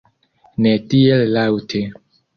Ne tiel laŭte!